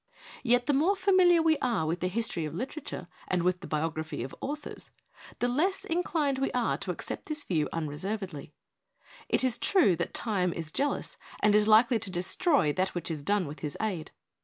Yet the more familiar we are with the history of literature and with the biography of authors, the less inclined we are to accept this view un reservedly. It is true that Time is jealous and is likely to destroy that which is done with his aid.